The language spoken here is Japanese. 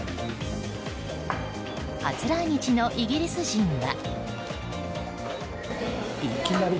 初来日のイギリス人は。